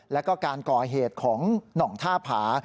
แล้วก็การก่อเหตุของหน่องท่าผา